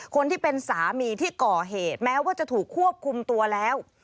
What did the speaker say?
คนที่เป็นสามีที่ก่อเหตุแม้ว่าจะถูกควบคุมตัวแล้ว